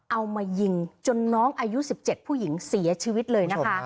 เอามายิงจนน้องอายุ๑๗ผู้หญิงเสียชีวิตเลยนะคะ